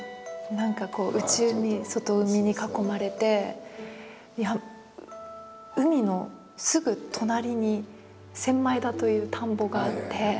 何かこう内海外海に囲まれて海のすぐ隣に千枚田という田んぼがあって。